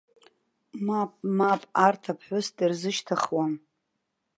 Мап, мап, арҭ аԥҳәыс дырзышьҭыхуам!